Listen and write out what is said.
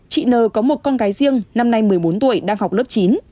chị n có một con gái riêng năm nay một mươi bốn tuổi đang học lớp chín